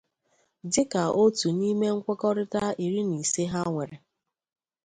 Dịka ótù n'ime nkwekọrịta iri na ise ha nwèrè